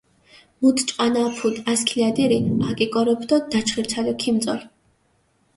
მუთ ჭყანა აფუდჷ ასქილადირინ, აკიკოროფჷ დო დაჩხირცალო ქიმწოლჷ.